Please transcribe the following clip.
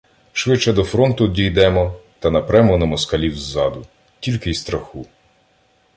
— Швидше до фронту дійдемо та напремо на москалів ззаду — тільки й страху.